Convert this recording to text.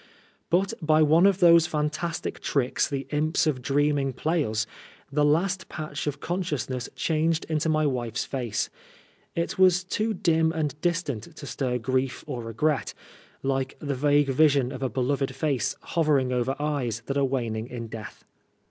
But by one of those fantastic tricks the imps of dreaming play us, the last patch of consciousness changed into my wife's face. It was too dim and distant to stir grief or regret ; like the vague vision of a beloved face hovering over eyes that are waning in death.